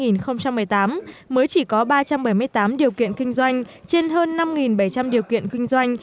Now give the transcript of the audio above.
năm hai nghìn một mươi tám mới chỉ có ba trăm bảy mươi tám điều kiện kinh doanh trên hơn năm bảy trăm linh điều kiện kinh doanh